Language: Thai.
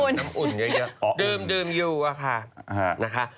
น้ำอ่นเยอะดื่มอยู่อะค่ะ